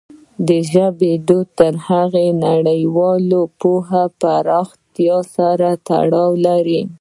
د ژبې وده د هغې د نړیوالې پوهې پراختیا سره تړاو لري.